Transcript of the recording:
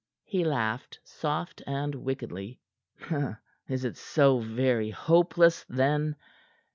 He laughed, soft and wickedly. "Is it so very hopeless, then?